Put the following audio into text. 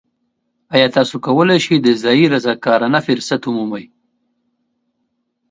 ایا تاسو کولی شئ د ځایی رضاکارانه فرصت ومومئ؟